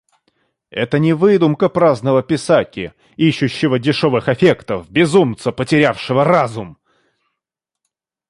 Это не выдумка праздного писаки, ищущего дешевых эффектов, безумца, потерявшего разум.